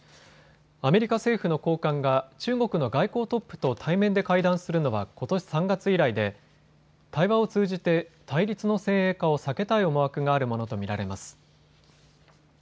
アメリカ政府の高官が中国の外交トップと対面で会談するのはことし３月以来で対話を通じて対立の先鋭化を避けたい思惑があるものと見られます。